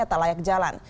ternyata layak jalan